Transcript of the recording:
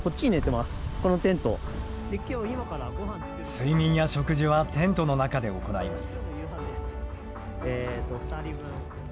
睡眠や食事はテントの中で行います。